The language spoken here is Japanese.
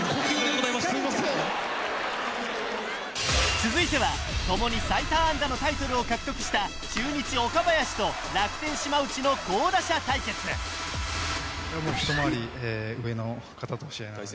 続いては共に最多安打のタイトルを獲得した中日・岡林と楽天・島内の巧打者対決ひと回り上の方と試合なので。